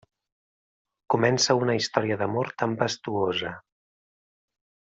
Comença una història d'amor tempestuosa.